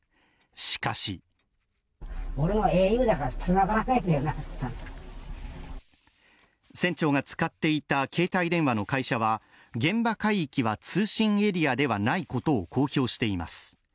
しかし船長が使っていた携帯電話の会社は現場海域は通信エリアではないことを公表しています。